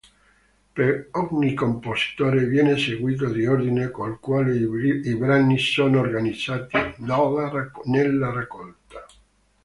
Per ogni compositore, viene seguito l'ordine col quale i brani sono organizzati nella raccolta.